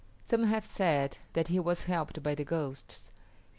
Some have said that he was helped by the ghosts.